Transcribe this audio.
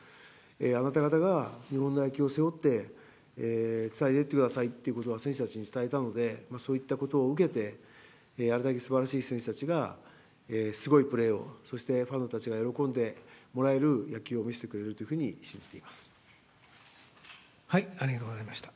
あなた方が日本の野球界を背負って、伝えていってくださいってことは、選手たちに伝えたので、そういったことを受けて、あれだけすばらしい選手たちがすごいプレーを、そしてファンの方たちが喜んでもらえる野球を見せてくれるっていありがとうございました。